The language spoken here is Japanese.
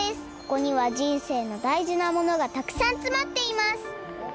ここにはじんせいのだいじなものがたくさんつまっています！